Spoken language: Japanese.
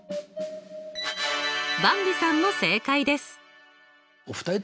ばんびさんも正解です。